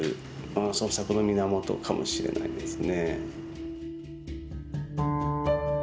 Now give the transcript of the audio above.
創作の源かもしれないですね。